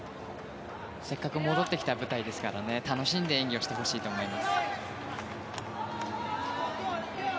せっかく戻ってきた舞台ですから楽しんで演技をしてほしいと思います。